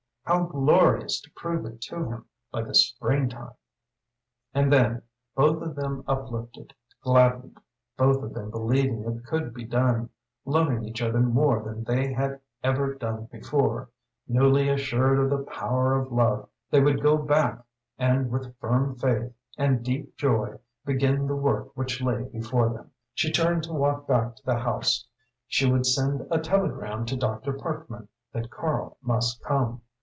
How glorious to prove it to him by the spring time! And then, both of them uplifted, gladdened, both of them believing it could be done, loving each other more than they had ever done before, newly assured of the power of love, they would go back and with firm faith and deep joy begin the work which lay before them. She turned to walk back to the house. She would send a telegram to Dr. Parkman that Karl must come.